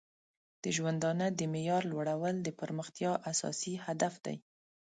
د ژوندانه د معیار لوړول د پرمختیا اساسي هدف دی.